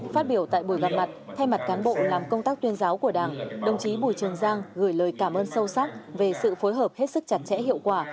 phát biểu tại buổi gặp mặt thay mặt cán bộ làm công tác tuyên giáo của đảng đồng chí bùi trường giang gửi lời cảm ơn sâu sắc về sự phối hợp hết sức chặt chẽ hiệu quả